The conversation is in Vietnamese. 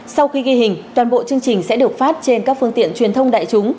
sau khi ghi hình toàn bộ chương trình sẽ được phát trên các phương tiện truyền thông đại chúng